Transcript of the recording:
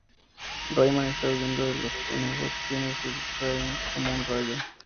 Rayman está huyendo de los conejos quienes se distraen con un rayo.